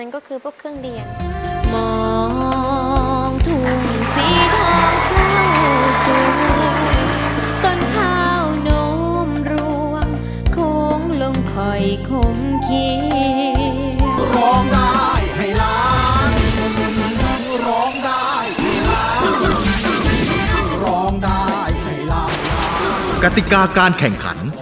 กติกาการแข่งขัน